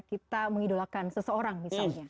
kita mengidolakan seseorang misalnya